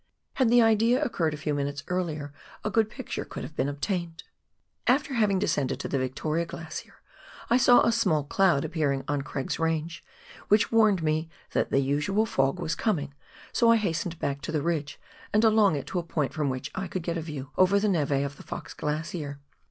Had the idea occurred a few minutes earlier, a good picture could have been obtained. After having descended to the Victoria Glacier, I saw a small cloud appearing on Craig's Range, which warned me that the usual fog was coming, so I hastened back to the ridge, and along it to a point from which I could get a view over the neve of the Fox Glacier.